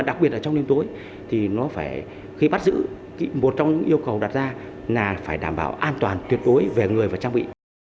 đặc biệt là trong đêm tối thì nó phải khi bắt giữ một trong những yêu cầu đặt ra là phải đảm bảo an toàn tuyệt đối về người và trang bị